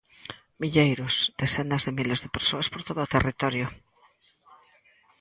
Milleiros, decenas de miles de persoas por todo o territorio.